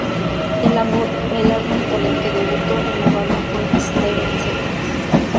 El álbum con el que debutó en la banda fue "Seventeen Seconds".